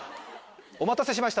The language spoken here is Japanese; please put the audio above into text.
お待たせしました